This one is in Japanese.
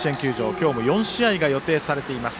今日も４試合が予定されています。